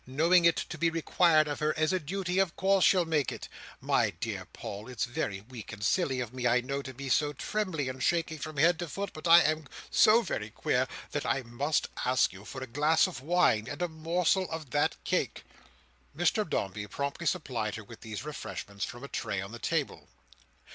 Knowing it to be required of her, as a duty, of course she'll make it. My dear Paul, it's very weak and silly of me, I know, to be so trembly and shaky from head to foot; but I am so very queer that I must ask you for a glass of wine and a morsel of that cake." Mr Dombey promptly supplied her with these refreshments from a tray on the table.